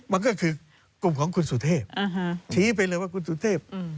มันก็คือกลุ่มของคุณสุเทพชี้ไปเลยว่าคุณสุเทพ